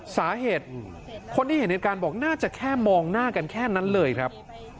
สาเหตุคนที่เห็นเหตุการณ์บอกน่าจะแค่มองหน้ากันแค่นั้นเลยครับ